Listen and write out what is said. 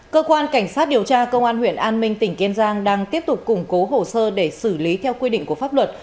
cơ quan cảnh sát điều tra công an huyện an minh tỉnh kiên giang đang tiếp tục củng cố hồ sơ để xử lý theo quy định của pháp luật